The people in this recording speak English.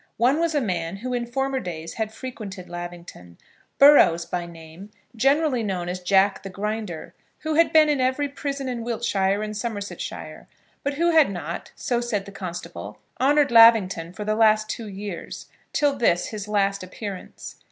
One was a man who in former days had frequented Lavington, Burrows by name, generally known as Jack the Grinder, who had been in every prison in Wiltshire and Somersetshire, but who had not, so said the constable, honoured Lavington for the last two years, till this his last appearance.